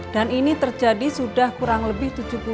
dan ini terjadi sudah kurang lebih